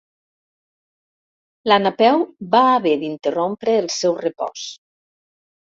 La Napeu va haver d'interrompre el seu repòs.